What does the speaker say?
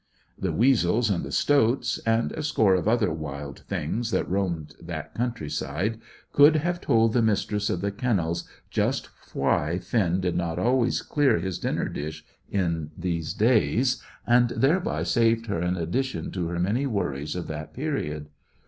The weasels and the stoats, and a score of other wild things that roamed that country side, could have told the Mistress of the Kennels just why Finn did not always clear his dinner dish in these days, and thereby saved her an addition to her many worries of that period.